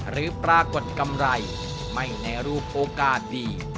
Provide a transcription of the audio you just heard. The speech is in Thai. หรือปรากฏกำไรไม่ในรูปโอกาสดี